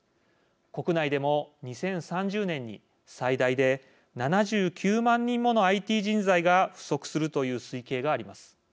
国内でも２０３０年に最大で７９万人ものＩＴ人材が不足するという推計があります。